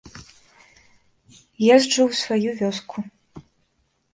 Езджу ў сваю вёску.